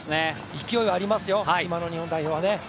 勢いありますよ、今の日本代表はね。